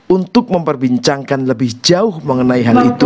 untuk memperbincangkan lebih jauh mengenai hal itu